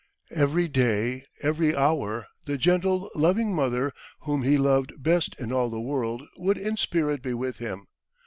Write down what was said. Every day, every hour, the gentle, loving mother whom he loved best in all the world would in spirit be with him.